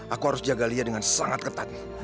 aku harus jaga lia dengan sangat ketat